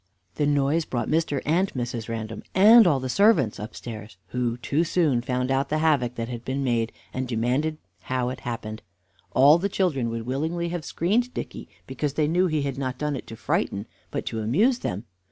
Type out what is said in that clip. The noise brought Mr. and Mrs. Random and all the servants upstairs, who too soon found out the havoc that had been made, and demanded how it happened. All the children would willingly have screened Dicky, because they knew he had not done it to frighten, but to amuse them.